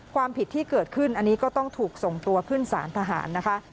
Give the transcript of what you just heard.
ความผิดที่เกิดขึ้นอันนี้ก็ต้องถูกส่งตัวขึ้นสารทหารนะคะ